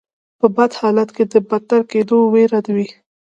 په بد حالت کې د بدتر کیدو ویره وي.